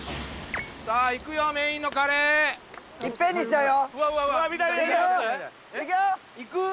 さあ、いくよ、メインのカレいっぺんにいっちゃうよ。